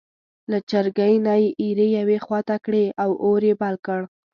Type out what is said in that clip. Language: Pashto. له چرګۍ نه یې ایرې یوې خوا ته کړې او اور یې بل کړ.